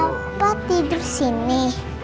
papa tidur sini